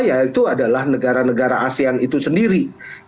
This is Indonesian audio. ya itu adalah negara negara asean itu sendiri